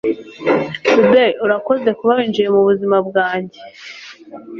Babe, urakoze kuba winjiye mubuzima bwanjye.